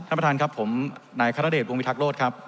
ท่านประธานครับผมนายคารเดชวงวิทักษ์โลศครับ